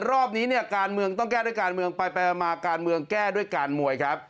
รอบนี้เนี่ยการเมืองต้องแก้ด้วยการเมืองไปมาการเมืองแก้ด้วยการมวยครับ